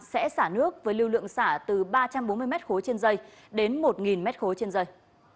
sẽ xả nước với lưu lượng xả từ ba trăm bốn mươi m ba trên dây đến một mét khối trên dây